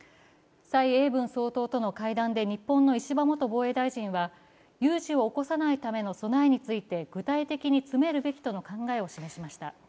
蔡英文総統と会談で日本の石破元防衛大臣は有事を起こさないための備えについて具体的に詰めるべきとの考えを示しました。